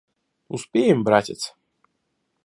Успеем, братец.